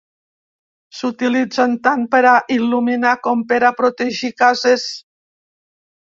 S'utilitzen tant per a il·luminar com per a protegir cases.